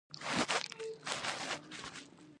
لنډ مهاله ګټو د نیوډیل منشور بشپړ تطبیق ایجاب کاوه.